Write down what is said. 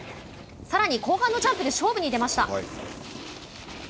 さらに後半のジャンプで勝負に出ました。